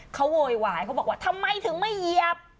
เขาโวยวายเขาบอกว่าทำไมถึงไม่เหยียบ